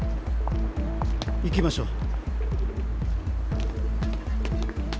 行きましょう。